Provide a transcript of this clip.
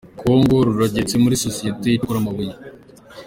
kongo Rurageretse muri Sosiyete icukura amabuye